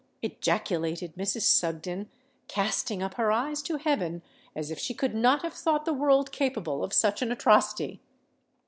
ejaculated Mrs. Sugden, casting up her eyes to heaven, as if she could not have thought the world capable of such an atrocity.